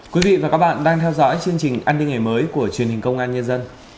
quý vị và các bạn đang theo dõi chương trình an ninh ngày mới của truyền hình công an nhân dân